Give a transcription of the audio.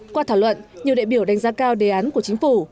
qua thảo luận nhiều đại biểu đánh giá cao đề án của chính phủ